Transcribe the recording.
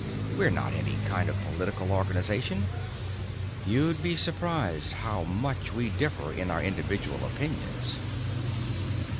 We're not any kind of political organization. You'd be surprised how much we differ in our individual opinions."